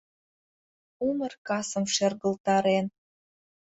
Умыр касым шергылтарен